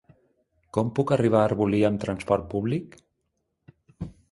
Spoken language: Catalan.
Com puc arribar a Arbolí amb trasport públic?